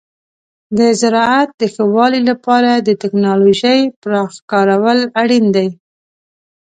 د زراعت د ښه والي لپاره د تکنالوژۍ پراخ کارول اړین دي.